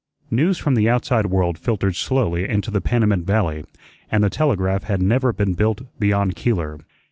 News from the outside world filtered slowly into the Panamint Valley, and the telegraph had never been built beyond Keeler.